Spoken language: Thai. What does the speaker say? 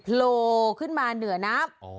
โผล่ขึ้นมาเหนือน้ำ